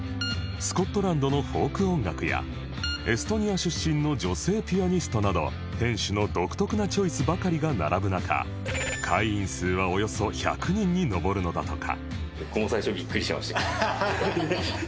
スコットランドのフォーク音楽やエストニア出身の女性ピアニストなど店主の独特なチョイスばかりが並ぶ中会員数はおよそ１００人に上るのだとか